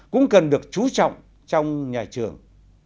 cũng cần được chú trọng trong nhà trường